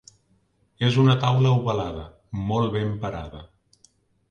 És una taula ovalada, molt ben parada.